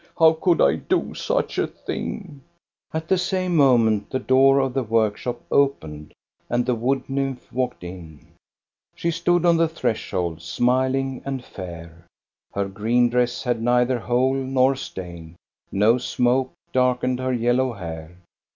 " How could I do such a thing ?" At the same moment the door of the workshop opened and the wood nymph walked in. She stood on the threshold, smiling and fair. Her green dress had neither hole nor stain, no smoke darkened her yellow hair.